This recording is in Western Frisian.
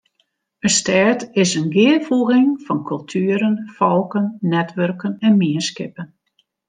In stêd is in gearfoeging fan kultueren, folken, netwurken en mienskippen.